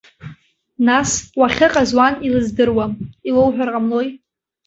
Нас, уахьыҟаз уан илыздыруам, илоуҳәар ҟамлои.